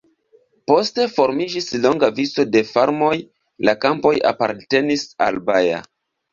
Poste formiĝis longa vico de farmoj, la kampoj apartenis al Baja.